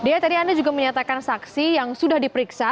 dea tadi anda juga menyatakan saksi yang sudah diperiksa